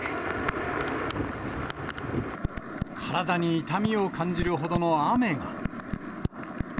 体に痛みを感じるほどの雨が。